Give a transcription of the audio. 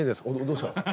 どうしたの？